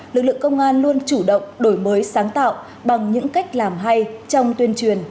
lực lượng công an luôn chủ động đổi mới sáng tạo bằng những cách làm hay trong tuyên truyền